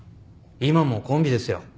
今もコンビですよ。